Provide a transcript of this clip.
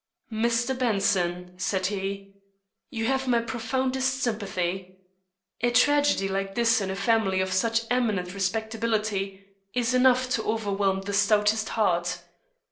"Mr. Benson," said he, "you have my profoundest sympathy. A tragedy like this in a family of such eminent respectability, is enough to overwhelm the stoutest heart.